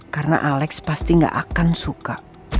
karena alex pasti gak akan suka